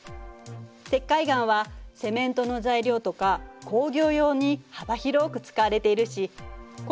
石灰岩はセメントの材料とか工業用に幅広く使われているしこれもそうよ。